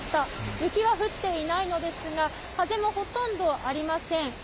雪は降っていないのですが、風もほとんどありません。